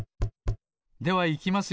ではいきますよ。